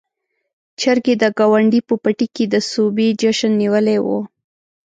چرګې د ګاونډي په پټي کې د سوبې جشن نيولی و.